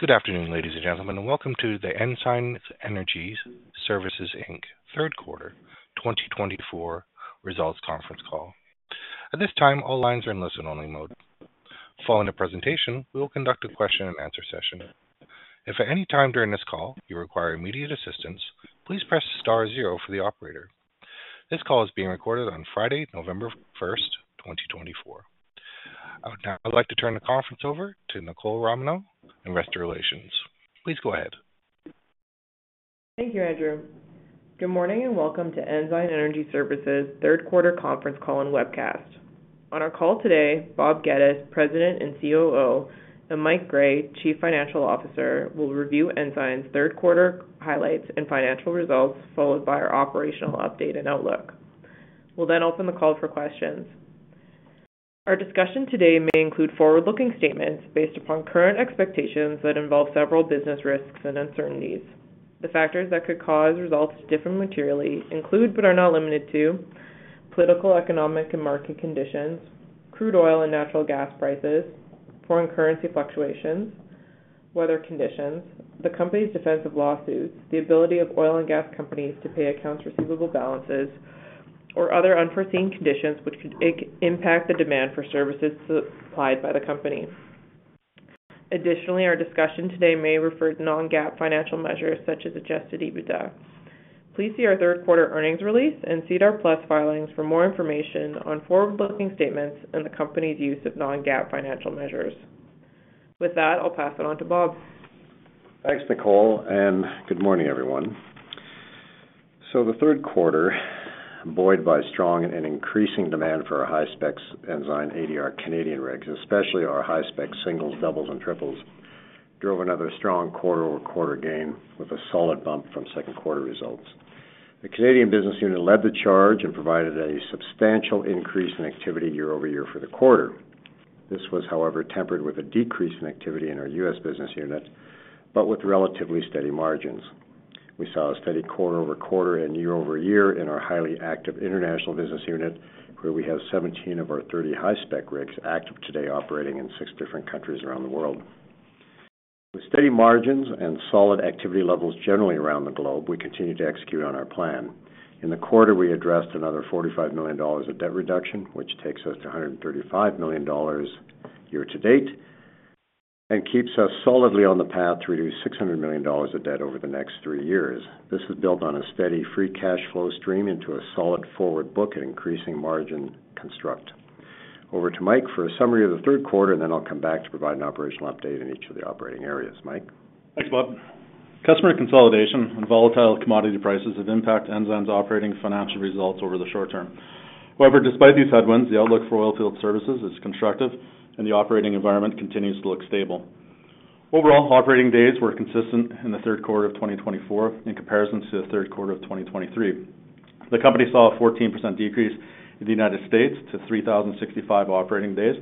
Good afternoon, ladies and gentlemen, and welcome to the Ensign Energy Services, Inc., third quarter 2024 results conference call. At this time, all lines are in listen-only mode. Following the presentation, we will conduct a question-and-answer session. If at any time during this call you require immediate assistance, please press star zero for the operator. This call is being recorded on Friday, November 1st, 2024. I would now like to turn the conference over to Nicole Romanow, Investor Relations. Please go ahead. Thank you, Andrew. Good morning and welcome to Ensign Energy Services third quarter conference call and webcast. On our call today, Bob Geddes, President and COO, and Mike Gray, Chief Financial Officer, will review Ensign's third quarter highlights and financial results, followed by our operational update and outlook. We'll then open the call for questions. Our discussion today may include forward-looking statements based upon current expectations that involve several business risks and uncertainties. The factors that could cause results to differ materially include, but are not limited to, political, economic, and market conditions, crude oil and natural gas prices, foreign currency fluctuations, weather conditions, the company's defense of lawsuits, the ability of oil and gas companies to pay accounts receivable balances, or other unforeseen conditions which could impact the demand for services supplied by the company. Additionally, our discussion today may refer to Non-GAAP financial measures such as Adjusted EBITDA. Please see our third quarter earnings release and SEDAR+ filings for more information on forward-looking statements and the company's use of non-GAAP financial measures. With that, I'll pass it on to Bob. Thanks, Nicole, and good morning, everyone. So the third quarter, buoyed by strong and increasing demand for our high-spec Ensign ADR Canadian rigs, especially our high-spec singles, doubles, and triples, drove another strong quarter-over-quarter gain with a solid bump from second quarter results. The Canadian business unit led the charge and provided a substantial increase in activity year over year for the quarter. This was, however, tempered with a decrease in activity in our U.S. business unit, but with relatively steady margins. We saw a steady quarter-over-quarter and year over year in our highly active international business unit, where we have 17 of our 30 high-spec rigs active today, operating in six different countries around the world. With steady margins and solid activity levels generally around the globe, we continue to execute on our plan. In the quarter, we addressed another 45 million dollars of debt reduction, which takes us to 135 million dollars year-to-date and keeps us solidly on the path to reduce 600 million dollars of debt over the next three years. This is built on a steady free cash flow stream into a solid forward book and increasing margin construct. Over to Mike for a summary of the third quarter, and then I'll come back to provide an operational update in each of the operating areas. Michael. Thanks, Bob. Customer consolidation and volatile commodity prices have impacted Ensign's operating financial results over the short term. However, despite these headwinds, the outlook for oilfield services is constructive, and the operating environment continues to look stable. Overall, operating days were consistent in the third quarter of 2024 in comparison to the third quarter of 2023. The company saw a 14% decrease in the United States to 3,065 operating days,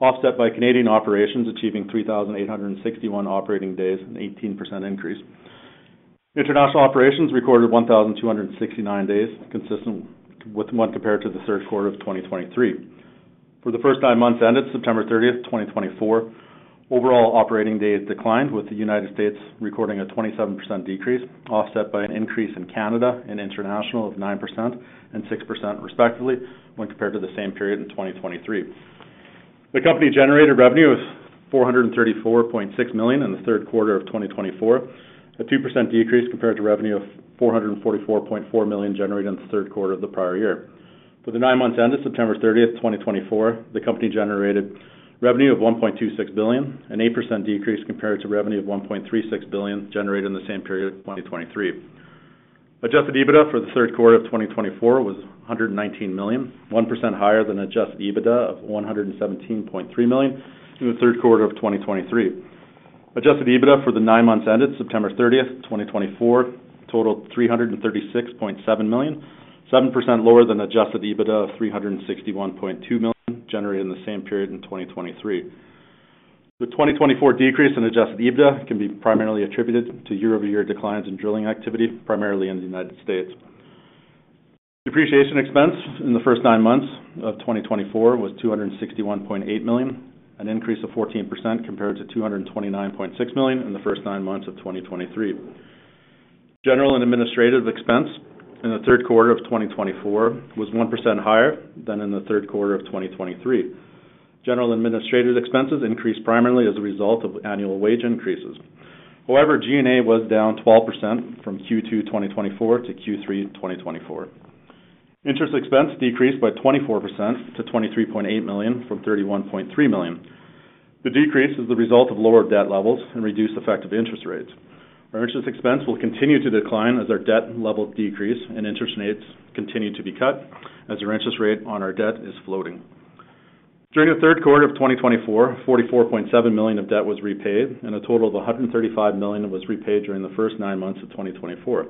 offset by Canadian operations achieving 3,861 operating days, an 18% increase. International operations recorded 1,269 days, consistent with month compared to the third quarter of 2023. For the first nine months ended September 30th, 2024, overall operating days declined, with the United States recording a 27% decrease, offset by an increase in Canada and international of 9% and 6%, respectively, when compared to the same period in 2023. The company generated revenue of 434.6 million in the third quarter of 2024, a 2% decrease compared to revenue of 444.4 million generated in the third quarter of the prior year. For the nine months ended September 30th, 2024, the company generated revenue of 1.26 billion, an 8% decrease compared to revenue of 1.36 billion generated in the same period of 2023. Adjusted EBITDA for the third quarter of 2024 was 119 million, 1% higher than adjusted EBITDA of 117.3 million in the third quarter of 2023. Adjusted EBITDA for the nine months ended September 30th, 2024, totaled 336.7 million, 7% lower than adjusted EBITDA of 361.2 million generated in the same period in 2023. The 2024 decrease in adjusted EBITDA can be primarily attributed to year-over-year declines in drilling activity, primarily in the United States. Depreciation expense in the first nine months of 2024 was 261.8 million, an increase of 14% compared to 229.6 million in the first nine months of 2023. General and administrative expense in the third quarter of 2024 was 1% higher than in the third quarter of 2023. General and administrative expenses increased primarily as a result of annual wage increases. However, G&A was down 12% from Q2 2024 to Q3 2024. Interest expense decreased by 24% to 23.8 million from 31.3 million. The decrease is the result of lower debt levels and reduced effective interest rates. Our interest expense will continue to decline as our debt levels decrease and interest rates continue to be cut as our interest rate on our debt is floating. During the third quarter of 2024, 44.7 million of debt was repaid, and a total of 135 million was repaid during the first nine months of 2024.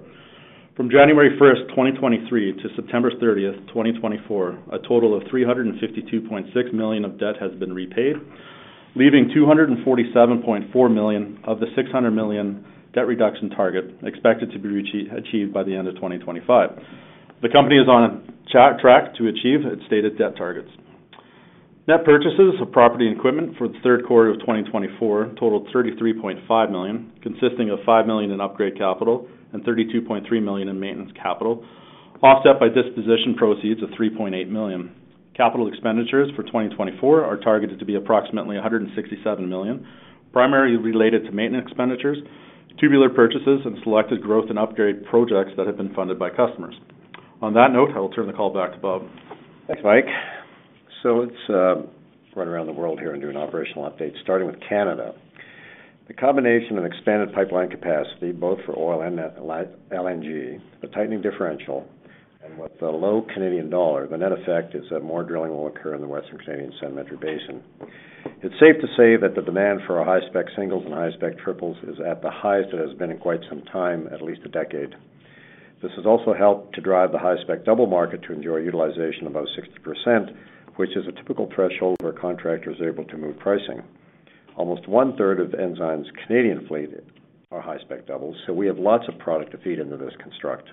From January 1st, 2023, to September 30th, 2024, a total of 352.6 million of debt has been repaid, leaving 247.4 million of the 600 million debt reduction target expected to be achieved by the end of 2025. The company is on a track to achieve its stated debt targets. Net purchases of property and equipment for the third quarter of 2024 totaled 33.5 million, consisting of 5 million in upgrade capital and 32.3 million in maintenance capital, offset by disposition proceeds of 3.8 million. Capital expenditures for 2024 are targeted to be approximately 167 million, primarily related to maintenance expenditures, tubular purchases, and selected growth and upgrade projects that have been funded by customers. On that note, I will turn the call back to Bob. Thanks, Mike. So it's right around the world here and doing operational updates, starting with Canada. The combination of expanded pipeline capacity, both for oil and LNG, the tightening differential, and with the low Canadian dollar, the net effect is that more drilling will occur in the Western Canadian Sedimentary Basin. It's safe to say that the demand for our high-spec singles and high-spec triples is at the highest it has been in quite some time, at least a decade. This has also helped to drive the high-spec double market to enjoy utilization of about 60%, which is a typical threshold for contractors able to move pricing. Almost one-third of Ensign's Canadian fleet are high-spec doubles, so we have lots of product to feed into this construct.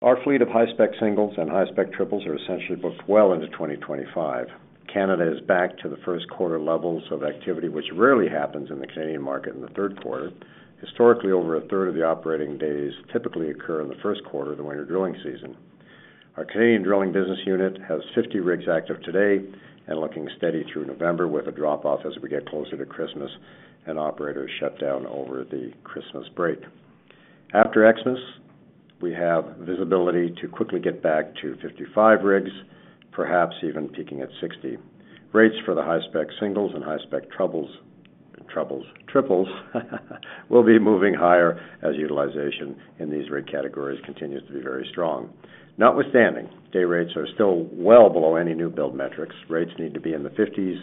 Our fleet of high-spec singles and high-spec triples are essentially booked well into 2025. Canada is back to the first quarter levels of activity, which rarely happens in the Canadian market in the third quarter. Historically, over a third of the operating days typically occur in the first quarter of the winter drilling season. Our Canadian drilling business unit has 50 rigs active today and looking steady through November, with a drop-off as we get closer to Christmas and operators shut down over the Christmas break. After Christmas, we have visibility to quickly get back to 55 rigs, perhaps even peaking at 60. Rates for the high-spec singles and high-spec triples will be moving higher as utilization in these rig categories continues to be very strong. Notwithstanding, day rates are still well below any new build metrics. Rates need to be in the 50s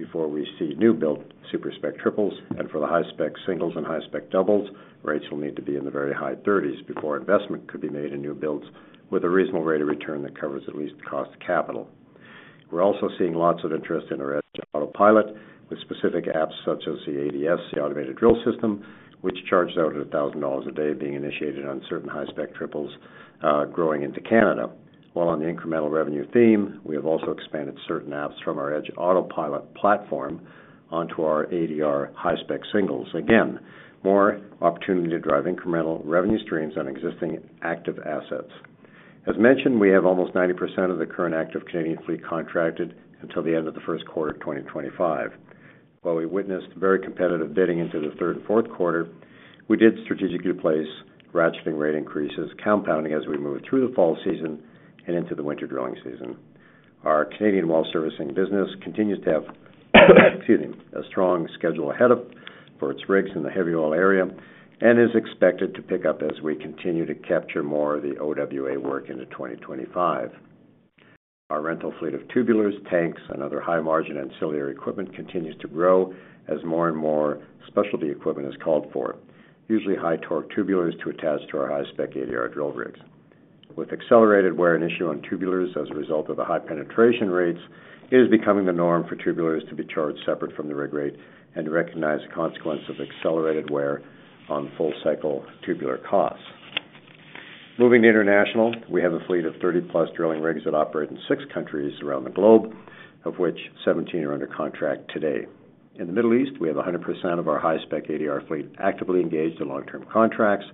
before we see new build super-spec triples, and for the high-spec singles and high-spec doubles, rates will need to be in the very high 30s before investment could be made in new builds with a reasonable rate of return that covers at least the cost of capital. We're also seeing lots of interest in our Edge Autopilot with specific apps such as the ADS, the automated drill system, which charges out at $1,000 a day, being initiated on certain high-spec triples growing into Canada. While on the incremental revenue theme, we have also expanded certain apps from our Edge Autopilot platform onto our ADR high-spec singles. Again, more opportunity to drive incremental revenue streams on existing active assets. As mentioned, we have almost 90% of the current active Canadian fleet contracted until the end of the first quarter of 2025. While we witnessed very competitive bidding into the third and fourth quarter, we did strategically place ratcheting rate increases, compounding as we move through the fall season and into the winter drilling season. Our Canadian oil servicing business continues to have a strong schedule ahead for its rigs in the heavy oil area and is expected to pick up as we continue to capture more of the OWA work into 2025. Our rental fleet of tubulars, tanks, and other high-margin ancillary equipment continues to grow as more and more specialty equipment is called for, usually high-torque tubulars to attach to our high-spec ADR drill rigs. With accelerated wear an issue on tubulars as a result of the high penetration rates, it is becoming the norm for tubulars to be charged separate from the rig rate and recognized consequence of accelerated wear on full-cycle tubular costs. Moving to international, we have a fleet of 30-plus drilling rigs that operate in six countries around the globe, of which 17 are under contract today. In the Middle East, we have 100% of our high-spec ADR fleet actively engaged in long-term contracts,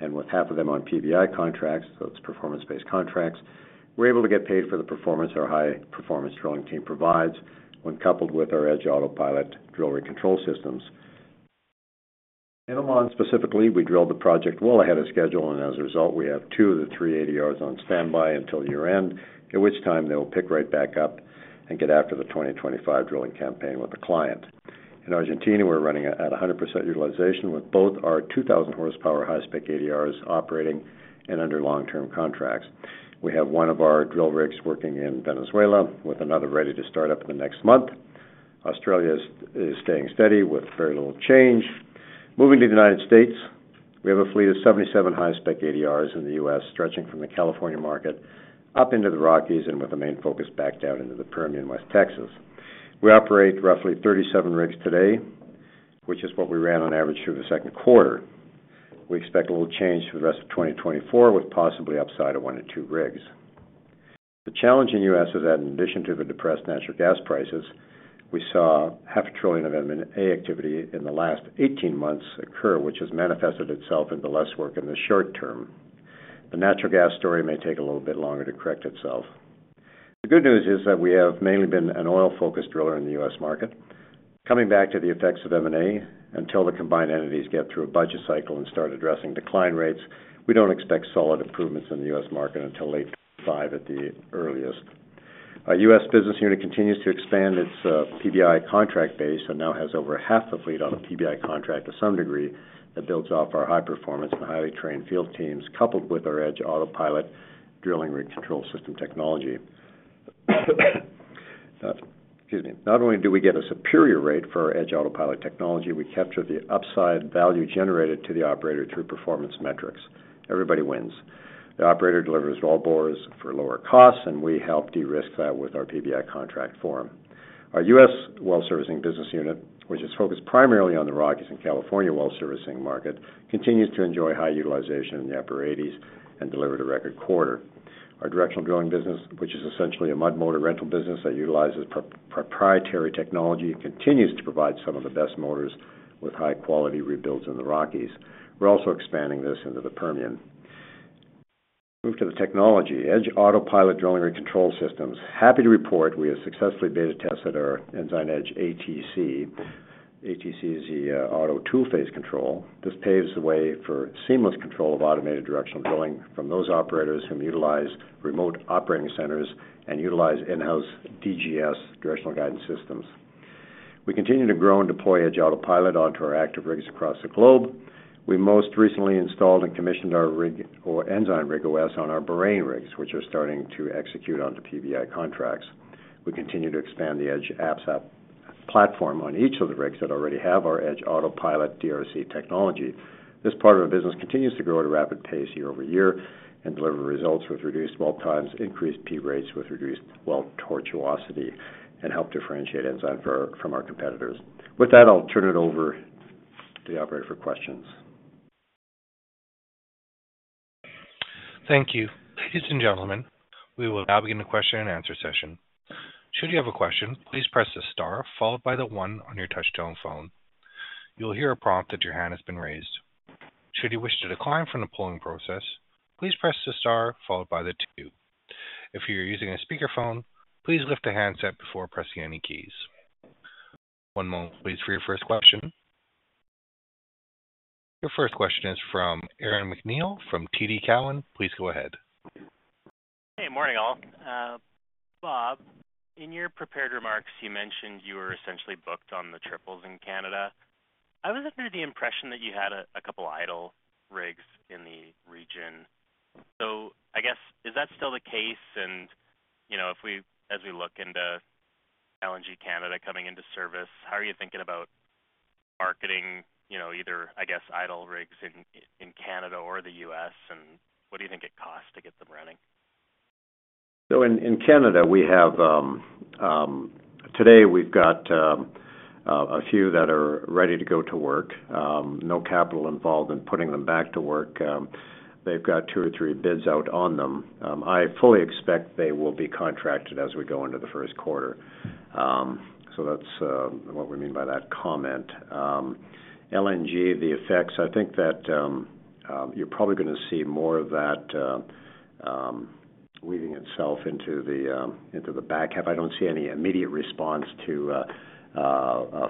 and with half of them on PBI contracts, those performance-based contracts, we're able to get paid for the performance our high-performance drilling team provides when coupled with our Edge Autopilot drill rig control systems. In Oman, specifically, we drilled the project well ahead of schedule, and as a result, we have two of the three ADRs on standby until year-end, at which time they will pick right back up and get after the 2025 drilling campaign with the client. In Argentina, we're running at 100% utilization with both our 2,000-horsepower high-spec ADRs operating and under long-term contracts. We have one of our drill rigs working in Venezuela with another ready to start up in the next month. Australia is staying steady with very little change. Moving to the United States, we have a fleet of 77 high-spec ADRs in the U.S., stretching from the California market up into the Rockies and with a main focus back down into the Permian, West Texas. We operate roughly 37 rigs today, which is what we ran on average through the second quarter. We expect a little change for the rest of 2024 with possibly upside of one to two rigs. The challenge in the U.S. is that in addition to the depressed natural gas prices, we saw $500 billion of M&A activity in the last 18 months occur, which has manifested itself into less work in the short term. The natural gas story may take a little bit longer to correct itself. The good news is that we have mainly been an oil-focused driller in the U.S. market. Coming back to the effects of M&A, until the combined entities get through a budget cycle and start addressing decline rates, we don't expect solid improvements in the U.S. market until late 2025 at the earliest. Our U.S. business unit continues to expand its PBI contract base and now has over half the fleet on a PBI contract to some degree that builds off our high-performance and highly trained field teams, coupled with our Edge Autopilot drilling rig control system technology. Not only do we get a superior rate for our Edge Autopilot technology, we capture the upside value generated to the operator through performance metrics. Everybody wins. The operator delivers wellbores for lower costs, and we help de-risk that with our PBI contract form. Our U.S. oil servicing business unit, which is focused primarily on the Rockies and California oil servicing market, continues to enjoy high utilization in the upper 80s and delivered a record quarter. Our directional drilling business, which is essentially a mud motor rental business that utilizes proprietary technology, continues to provide some of the best motors with high-quality rebuilds in the Rockies. We're also expanding this into the Permian. Moving to the technology, Edge Autopilot drilling rig control systems. Happy to report we have successfully beta tested our Ensign Edge ATC. ATC is the Auto Toolface Control. This paves the way for seamless control of automated directional drilling from those operators who utilize remote operating centers and utilize in-house DGS directional guidance systems. We continue to grow and deploy Edge Autopilot onto our active rigs across the globe. We most recently installed and commissioned our Ensign RigOS on our Bahrain rigs, which are starting to execute onto PBI contracts. We continue to expand the Edge apps platform on each of the rigs that already have our Edge Autopilot DRC technology. This part of our business continues to grow at a rapid pace year over year and deliver results with reduced well times, increased P rates, with reduced well tortuosity, and help differentiate Ensign from our competitors. With that, I'll turn it over to the operator for questions. Thank you. Ladies and gentlemen, we will now begin the question-and-answer session. Should you have a question, please press the star followed by the one on your touch-tone phone. You'll hear a prompt that your hand has been raised. Should you wish to decline from the polling process, please press the star followed by the two. If you're using a speakerphone, please lift the handset before pressing any keys. One moment, please, for your first question. Your first question is from Aaron MacNeil from TD Cowen. Please go ahead. Hey, morning all. Bob, in your prepared remarks, you mentioned you were essentially booked on the triples in Canada. I was under the impression that you had a couple idle rigs in the region. So I guess, is that still the case? And if we, as we look into LNG Canada coming into service, how are you thinking about marketing either, I guess, idle rigs in Canada or the U.S.? And what do you think it costs to get them running? So in Canada, we have today we've got a few that are ready to go to work. No capital involved in putting them back to work. They've got two or three bids out on them. I fully expect they will be contracted as we go into the first quarter. So that's what we mean by that comment. LNG, the effects, I think that you're probably going to see more of that weaving itself into the back half. I don't see any immediate response to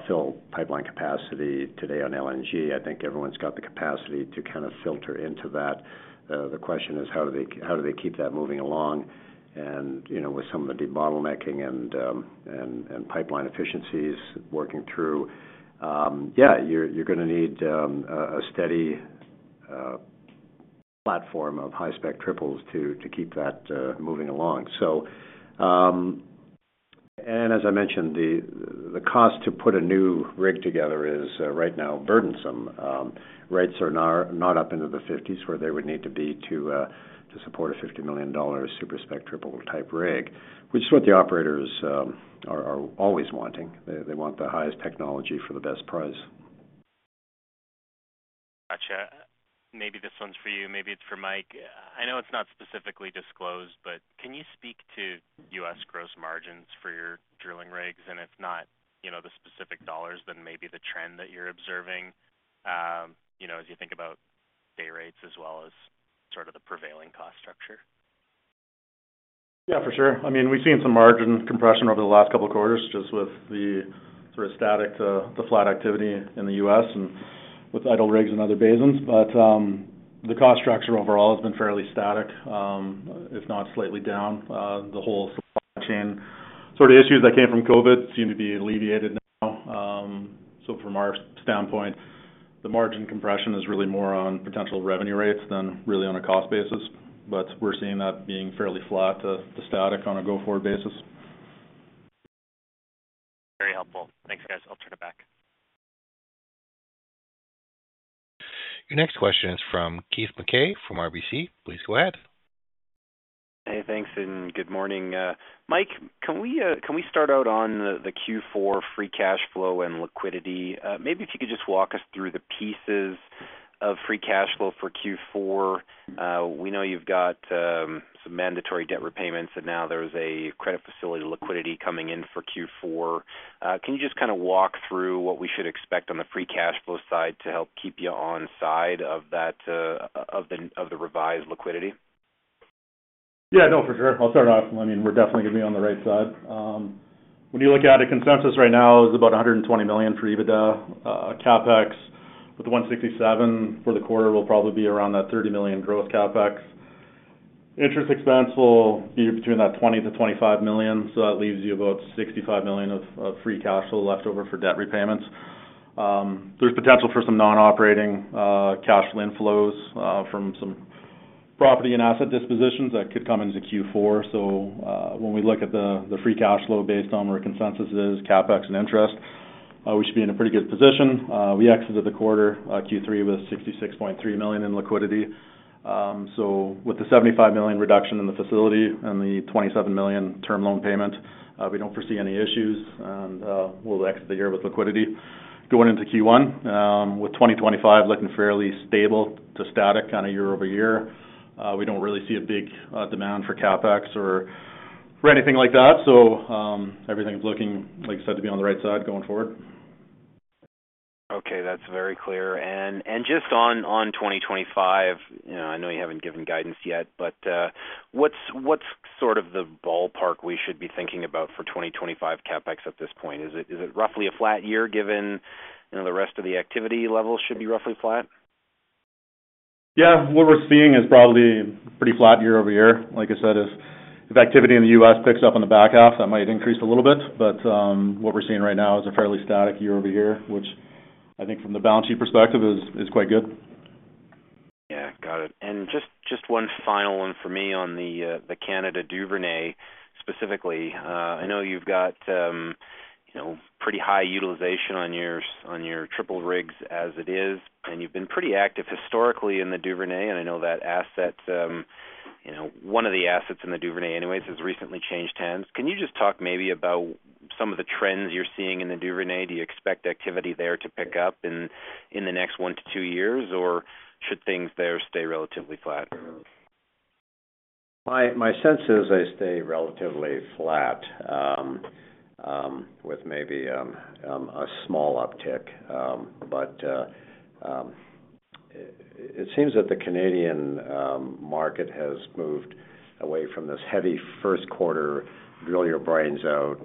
fill pipeline capacity today on LNG. I think everyone's got the capacity to kind of filter into that. The question is, how do they keep that moving along? And with some of the de-bottlenecking and pipeline efficiencies working through, yeah, you're going to need a steady platform of high-spec triples to keep that moving along. As I mentioned, the cost to put a new rig together is right now burdensome. Rates are not up into the 50s where they would need to be to support a $50 million super-spec triple type rig, which is what the operators are always wanting. They want the highest technology for the best price. Gotcha. Maybe this one's for you. Maybe it's for Mike. I know it's not specifically disclosed, but can you speak to U.S. gross margins for your drilling rigs? And if not the specific dollars, then maybe the trend that you're observing as you think about day rates as well as sort of the prevailing cost structure? Yeah, for sure. I mean, we've seen some margin compression over the last couple of quarters just with the sort of static, the flat activity in the U.S. and with idle rigs and other basins. But the cost structure overall has been fairly static, if not slightly down. The whole supply chain sort of issues that came from COVID seem to be alleviated now. So from our standpoint, the margin compression is really more on potential revenue rates than really on a cost basis. But we're seeing that being fairly flat to static on a go-forward basis. Very helpful. Thanks, guys. I'll turn it back. Your next question is from Keith Mackey from RBC. Please go ahead. Hey, thanks, and good morning. Michael, can we start out on the Q4 free cash flow and liquidity? Maybe if you could just walk us through the pieces of free cash flow for Q4. We know you've got some mandatory debt repayments, and now there's a credit facility liquidity coming in for Q4. Can you just kind of walk through what we should expect on the free cash flow side to help keep you on side of the revised liquidity? Yeah, no, for sure. I'll start off. I mean, we're definitely going to be on the right side. When you look at it, consensus right now is about 120 million for EBITDA. CapEx with 167 for the quarter will probably be around that 30 million gross CapEx. Interest expense will be between 20 million to 25 million. So that leaves you about 65 million of free cash flow left over for debt repayments. There's potential for some non-operating cash flow inflows from some property and asset dispositions that could come into Q4. So when we look at the free cash flow based on where consensus is, CapEx and interest, we should be in a pretty good position. We exited the quarter Q3 with 66.3 million in liquidity. So with the 75 million reduction in the facility and the 27 million term loan payment, we don't foresee any issues. We'll exit the year with liquidity going into first quarter 2025 looking fairly stable to static kind of year-over-year. We don't really see a big demand for CapEx or anything like that. Everything's looking, like I said, to be on the right side going forward. Okay, that's very clear. And just on 2025, I know you haven't given guidance yet, but what's sort of the ballpark we should be thinking about for 2025 Capex at this point? Is it roughly a flat year given the rest of the activity level should be roughly flat? Yeah, what we're seeing is probably a pretty flat year over year. Like I said, if activity in the U.S. picks up on the back half, that might increase a little bit. But what we're seeing right now is a fairly static year-over-year, which I think from the balance sheet perspective is quite good. Yeah, got it. And just one final one for me on the Canada Duvernay specifically. I know you've got pretty high utilization on your triple rigs as it is, and you've been pretty active historically in the Duvernay. And I know that asset, one of the assets in the Duvernay anyways, has recently changed hands. Can you just talk maybe about some of the trends you're seeing in the Duvernay? Do you expect activity there to pick up in the next one to two years, or should things there stay relatively flat? My sense is they stay relatively flat with maybe a small uptick. But it seems that the Canadian market has moved away from this heavy first quarter, drill your brains out,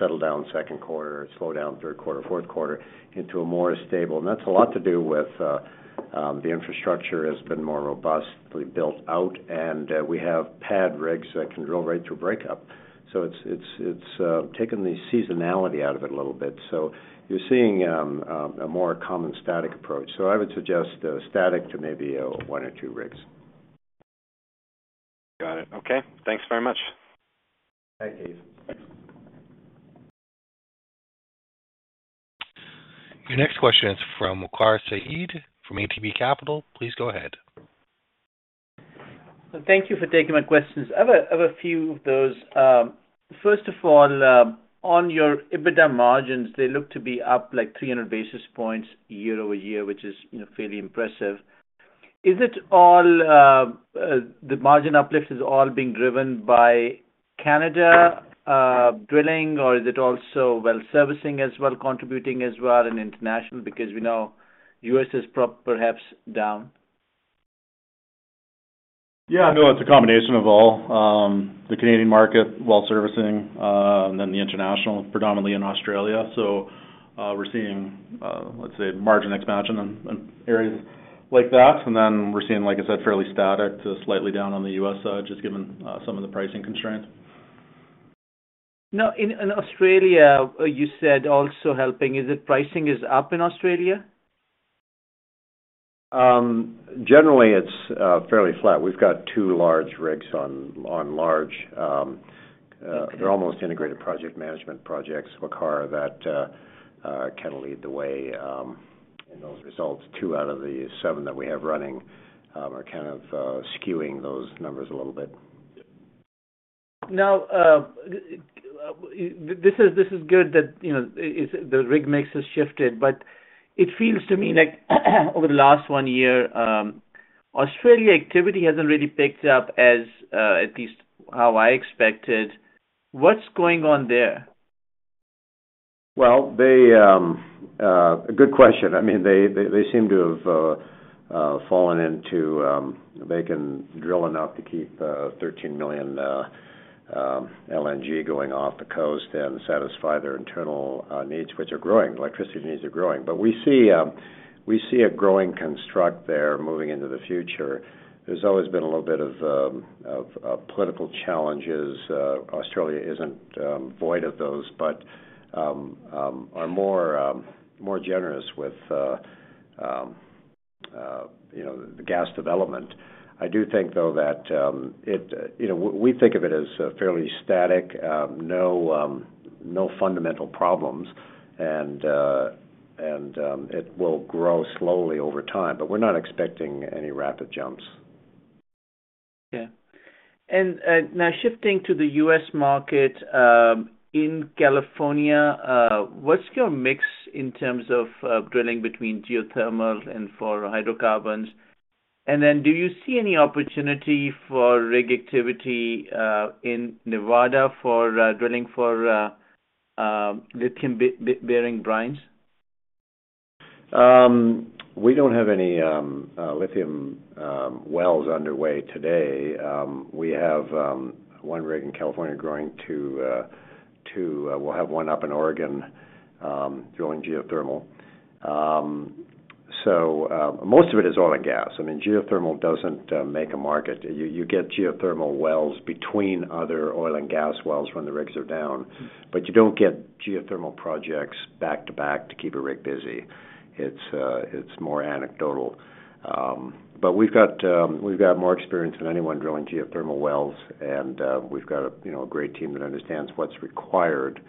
settle down second quarter, slow down third quarter, fourth quarter into a more stable. And that's a lot to do with the infrastructure has been more robustly built out, and we have pad rigs that can drill right through breakup. So it's taken the seasonality out of it a little bit. So you're seeing a more common static approach. So I would suggest static to maybe one or two rigs. Got it. Okay. Thanks very much. Thanks, Keith. Your next question is from Waqar Syed from ATB Capital Markets. Please go ahead. Thank you for taking my questions. I have a few of those. First of all, on your EBITDA margins, they look to be up like 300 basis points year-over-year, which is fairly impressive. Is it all the margin uplift is all being driven by Canada drilling, or is it also well servicing as well, contributing as well in international? Because we know U.S. is perhaps down. Yeah, no, it's a combination of all. The Canadian market, well servicing, and then the international, predominantly in Australia. So we're seeing, let's say, margin expansion in areas like that. And then we're seeing, like I said, fairly static to slightly down on the U.S. side, just given some of the pricing constraints. Now, in Australia, you said also helping. Is it pricing is up in Australia? Generally, it's fairly flat. We've got two large rigs on LNG. They're almost integrated project management projects, Waqar, that can lead the way in those results. Two out of the seven that we have running are kind of skewing those numbers a little bit. Now, this is good that the rig mix has shifted, but it feels to me like over the last one year, Australia activity hasn't really picked up as at least how I expected. What's going on there? A good question. I mean, they seem to have fallen into they can drill enough to keep 13 million LNG going off the coast and satisfy their internal needs, which are growing. Electricity needs are growing, but we see a growing constraint there moving into the future. There's always been a little bit of political challenges. Australia isn't void of those, but they are more generous with the gas development. I do think, though, that we think of it as fairly static, no fundamental problems, and it will grow slowly over time, but we're not expecting any rapid jumps. Okay. And now shifting to the U.S. market in California, what's your mix in terms of drilling between geothermal and for hydrocarbons? And then do you see any opportunity for rig activity in Nevada for drilling for lithium-bearing brines? We don't have any lithium wells underway today. We have one rig in California going to we'll have one up in Oregon drilling geothermal. So most of it is oil and gas. I mean, geothermal doesn't make a market. You get geothermal wells between other oil and gas wells when the rigs are down, but you don't get geothermal projects back to back to keep a rig busy. It's more anecdotal. But we've got more experience than anyone drilling geothermal wells, and we've got a great team that understands what's required.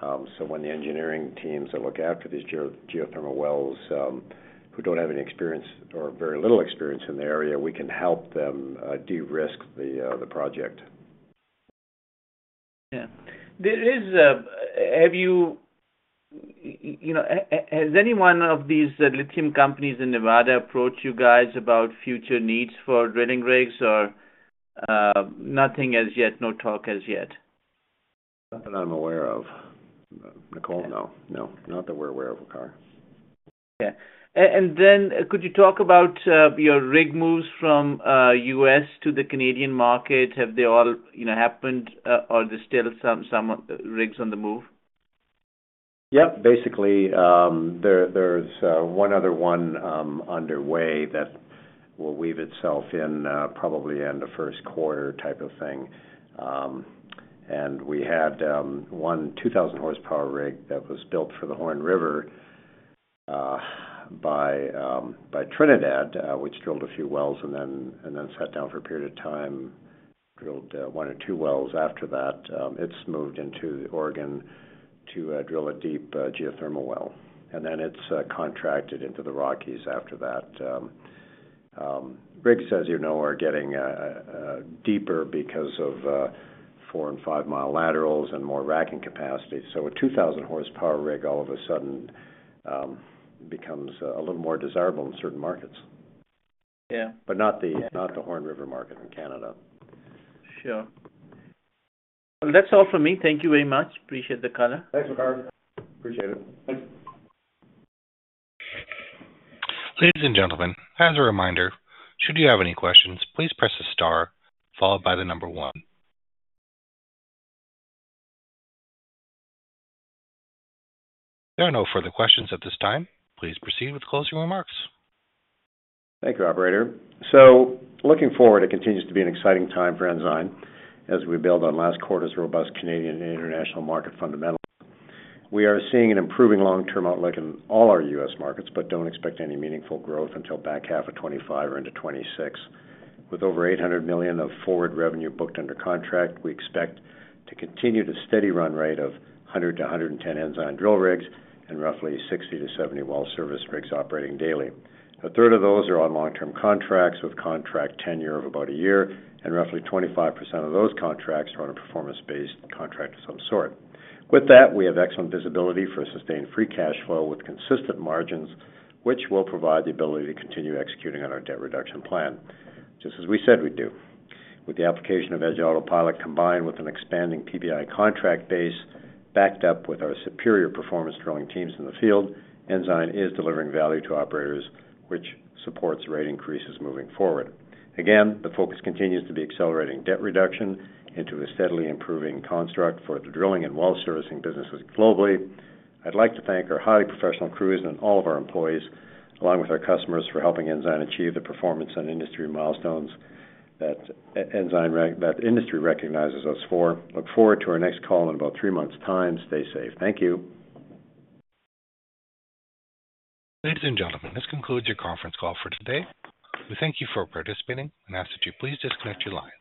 So when the engineering teams that look after these geothermal wells, who don't have any experience or very little experience in the area, we can help them de-risk the project. Yeah. Has any one of these lithium companies in Nevada approached you guys about future needs for drilling rigs or nothing as yet, no talk as yet? Nothing that I'm aware of. Nicole, no. No, not that we're aware of, Waqar. Okay. And then could you talk about your rig moves from U.S. to the Canadian market? Have they all happened, or are there still some rigs on the move? Yep. Basically, there's one other one underway that will weave itself in probably in the first quarter type of thing. And we had one 2,000-horsepower rig that was built for the Horn River by Trinidad, which drilled a few wells and then sat down for a period of time, drilled one or two wells after that. It's moved into Oregon to drill a deep geothermal well. And then it's contracted into the Rockies after that. Rigs, as you know, are getting deeper because of four- and five-mile laterals and more racking capacity. So a 2,000-horsepower rig all of a sudden becomes a little more desirable in certain markets. Yeah. But not the Horn River market in Canada. Sure. That's all from me. Thank you very much. Appreciate the call. Thanks, Waqar. Appreciate it. Thanks. Ladies and gentlemen, as a reminder, should you have any questions, please press the star followed by the number one. There are no further questions at this time. Please proceed with closing remarks. Thank you, Operator. Looking forward, it continues to be an exciting time for Ensign as we build on last quarter's robust Canadian and international market fundamentals. We are seeing an improving long-term outlook in all our U.S. markets, but don't expect any meaningful growth until back half of 2025 or into 2026. With over 800 million of forward revenue booked under contract, we expect to continue to steady run rate of 100-110 Ensign drill rigs and roughly 60-70 well servicing rigs operating daily. A third of those are on long-term contracts with contract tenure of about a year, and roughly 25% of those contracts are on a performance-based contract of some sort. With that, we have excellent visibility for sustained free cash flow with consistent margins, which will provide the ability to continue executing on our debt reduction plan, just as we said we do. With the application of Edge Autopilot combined with an expanding PBI contract base backed up with our superior performance drilling teams in the field, Ensign is delivering value to operators, which supports rate increases moving forward. Again, the focus continues to be accelerating debt reduction into a steadily improving construct for the drilling and well servicing businesses globally. I'd like to thank our highly professional crews and all of our employees, along with our customers, for helping Ensign achieve the performance and industry milestones that industry recognizes us for. Look forward to our next call in about three months' time. Stay safe. Thank you. Ladies and gentlemen, this concludes your conference call for today. We thank you for participating and ask that you please disconnect your lines.